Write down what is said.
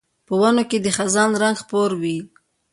په ونو کې د خزان رنګ خپور وي